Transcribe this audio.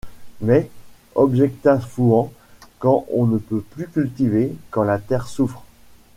Mais, objecta Fouan, quand on ne peut plus cultiver, quand la terre souffre…